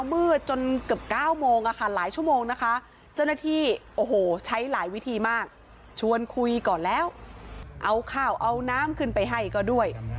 เอาน้ำขึ้นไปให้ก็ด้วย